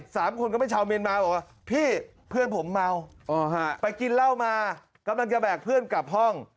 สามคนก็เป็นชาวเมียนมาบอกว่าพี่เพื่อนผมเมาอ๋อฮะไปกินเหล้ามากำลังจะแบกเพื่อนกลับห้อง